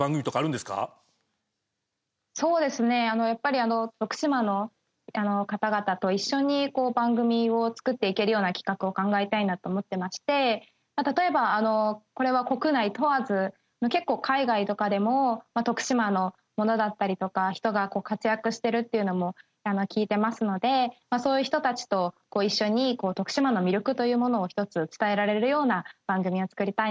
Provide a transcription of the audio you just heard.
そうですね、やっぱり徳島の方々と一緒に番組を作っていけるような企画を考えたいなと思ってまして例えば、これは国内問わず結構、海外とかでも徳島のものだったりとか人が活躍してるっていうのも聞いてますのでそういう人たちと一緒に徳島の魅力というものを１つ、伝えられるような番組を作りたいなと思います。